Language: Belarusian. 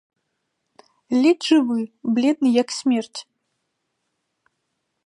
Ледзь жывы, бледны як смерць.